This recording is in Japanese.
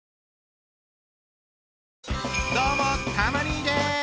どうもたま兄です。